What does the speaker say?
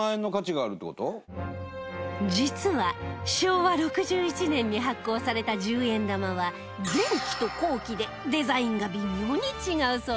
実は、昭和６１年に発行された十円玉は前期と後期でデザインが微妙に違うそうですよ